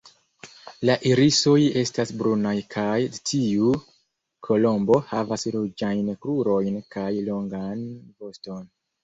La irisoj estas brunaj kaj dtiu kolombo havas ruĝajn krurojn kaj longan voston.